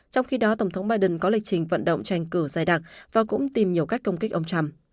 trong khi đó tổng thống biden có lịch trình vận động tranh cử dài đặc và cũng tìm nhiều cách công kích ông trump